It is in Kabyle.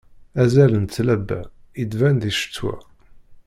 Azal n tlaba ittban di ccetwa.